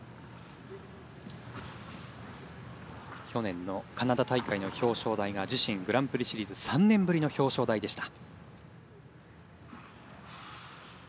去年のカナダ大会の表彰台が自身、グランプリシリーズ３年ぶりの表彰台でした。